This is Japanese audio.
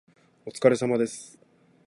お疲れ様です。